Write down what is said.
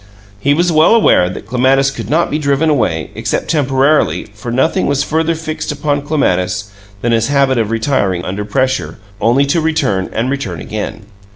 He was well aware that Clematis could not be driven away, except temporarily, for nothing was further fixed upon Clematis than his habit of retiring under pressure, only to return and return again.